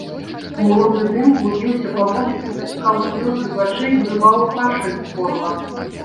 Смуродны дым клубіўся па вуліцы, выціскаў слёзы з вачэй, вырываў кашаль з горла.